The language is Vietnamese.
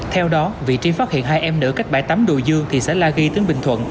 theo đó vị trí phát hiện hai em n cách bãi tắm đồ dương thị xã la ghi tỉnh bình thuận